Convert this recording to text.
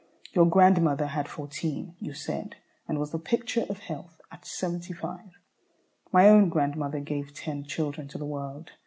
Your grandmother had fourteen, you said, and was the picture of health at seventy five. My own grandmother gave ten children to the world.